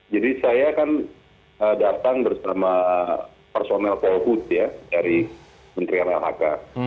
jadi saya kan datang bersama personel kohut ya dari menteri lhk